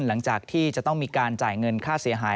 หลังจากที่จะต้องมีการจ่ายเงินค่าเสียหาย